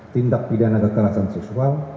tindak pidana keterasan sosial